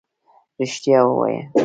رښتيا ووايه.